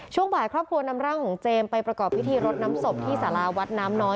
ช่วงบ่ายครอบครัวนำร่างของเจมส์ไปประกอบพิธีรดน้ำศพที่สาราวัดน้ำน้อย